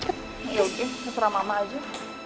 ya oke keserah mama aja